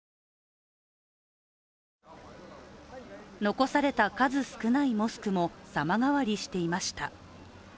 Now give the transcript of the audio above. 残された数少ないモスクも様変わりしていました。